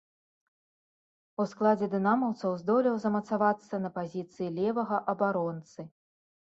У складзе дынамаўцаў здолеў замацавацца на пазіцыі левага абаронцы.